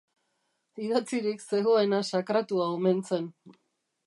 Idatzirik zegoena sakratua omen zen.